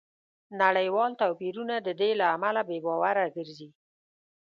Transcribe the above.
نړیوال توپیرونه د دې له امله بې باوره ګرځي